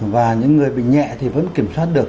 và những người bị nhẹ thì vẫn kiểm soát được